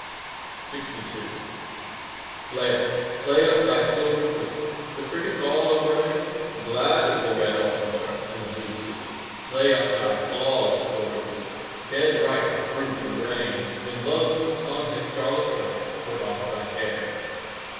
LXII Play up, play up thy silver flute; The crickets all are brave; Glad is the red autumnal earth And the blue sea. Play up thy flawless silver flute; 5 Dead ripe are fruit and grain. When love puts on his scarlet coat, Put off thy care.